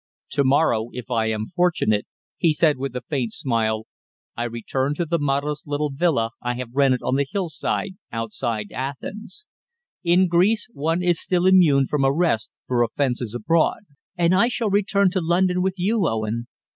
"To morrow, if I am fortunate," he said, with a faint smile, "I return to the modest little villa I have rented on the hill side outside Athens. In Greece one is still immune from arrest for offences abroad." "And I shall return to London with you, Owen.